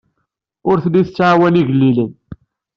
Ur telli tettɛawan igellilen.